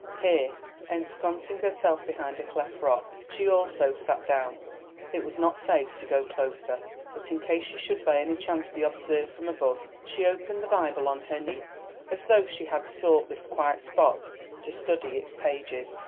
Here, ensconcing herself behind a cleft rock, she also sat down; it was not safe to go closer; but in case she should by any chance be observed from above, she opened the Bible on her knee, as though she had sought this quiet spot to study its pages.